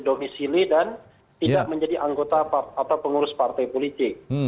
domisili dan tidak menjadi anggota atau pengurus partai politik